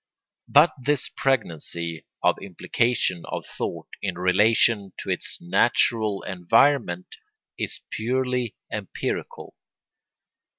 But this pregnancy and implication of thought in relation to its natural environment is purely empirical.